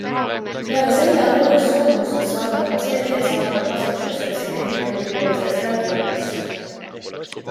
Peale selle on uueks suundumuseks saanud, et CVd saabuvad Massachusetsi tehnikaülikoolist ja Stanfordist.